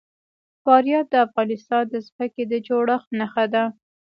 فاریاب د افغانستان د ځمکې د جوړښت نښه ده.